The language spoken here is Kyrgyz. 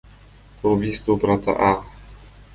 по убийству брата А.